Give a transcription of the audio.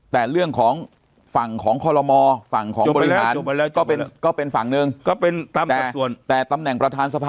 แต่เรื่องของฝั่งของคอลโลมอร์ฝั่งของบริหาร